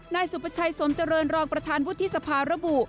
นายสุประชัยสมเจริญรองประธานวุฒิสภาระบุ